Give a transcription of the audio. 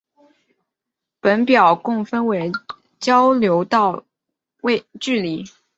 本表共分为交流道距离。